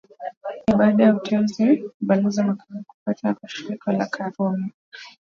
Ni baada ya uteuzi wake wa Ubalozi Marekani kufutwa kwa shinikizo la Karume